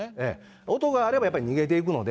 音があればやっぱり逃げていくので。